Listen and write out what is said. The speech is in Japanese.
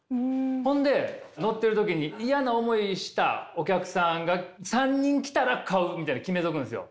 ほんで乗っている時に嫌な思いしたお客さんが３人来たら買うみたいに決めとくんですよ。